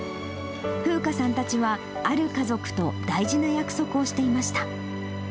楓佳さんたちは、ある家族と大事な約束をしていました。